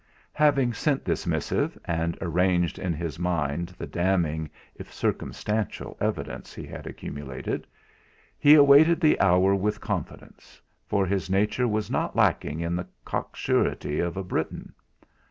Having sent this missive, and arranged in his mind the damning, if circumstantial, evidence he had accumulated, he awaited the hour with confidence, for his nature was not lacking in the cock surety of a Briton.